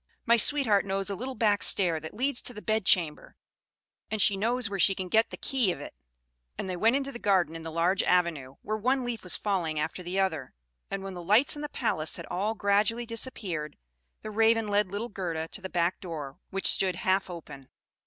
My sweetheart knows a little back stair that leads to the bedchamber, and she knows where she can get the key of it." And they went into the garden in the large avenue, where one leaf was falling after the other; and when the lights in the palace had all gradually disappeared, the Raven led little Gerda to the back door, which stood half open.